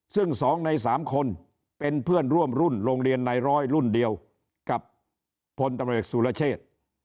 ซึ่ง๒ใน๓คนเป็นเพื่อนร่วมรุ่นโรงเรียนในร้อยรุ่นเดียวกับพลตำรวจสุรเชษ